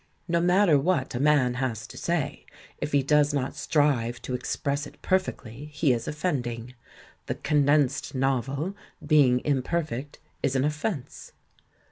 No matter what a man has to say, if he does not strive to express it per fectly, he is offending. The "condensed novel," being imperfect, is an offence.